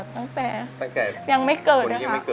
ตั้งแต่ยังไม่เกิดนะคะ